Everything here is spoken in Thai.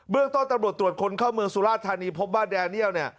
เรื่องต้นตำรวจตรวจคนเข้าเมืองสุราธานีพบว่าแดเนียล